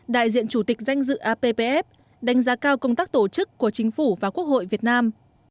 đại diện chủ tịch danh dự appf đánh giá cao công tác tổ chức của chính phủ và quốc hội việt nam